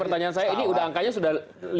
pertanyaan saya ini angkanya sudah lima belas